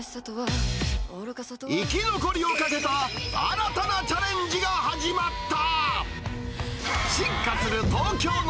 生き残りをかけた新たなチャレンジが始まった。